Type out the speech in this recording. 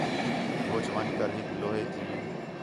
ہوچ ون٘ڄ کر ہِک لوہے تی